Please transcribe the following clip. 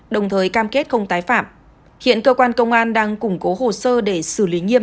đồng thời cam kết không tái phạm hiện cơ quan công an đang củng cố hồ sơ để xử lý nghiêm